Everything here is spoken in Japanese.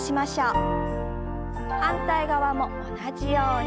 反対側も同じように。